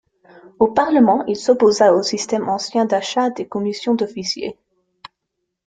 Au Parlement, il s'opposa au système ancien d'achat des commissions d'officier.